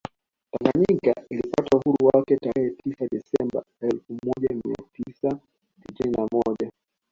Tanganyika ilipata uhuru wake tarehe tisa Desemba elfu moja mia tisa sitini na moja